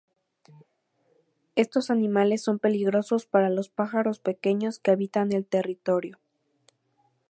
Estos animales son peligrosos para los pájaros pequeños que habitan el territorio.